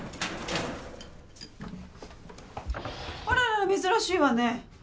・あららら珍しいわね。